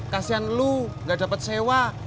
kasian lu gak dapat sewa